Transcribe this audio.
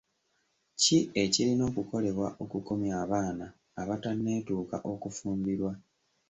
Ki ekirina okukolebwa okukomya abaana abatenneetuuka okufumbirwa?